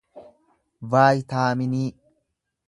vaayitaaminii